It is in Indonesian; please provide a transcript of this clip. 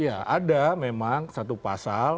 ya ada memang satu pasal